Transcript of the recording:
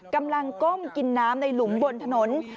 กำลังก้มกินน้ำในหลุมบนถนน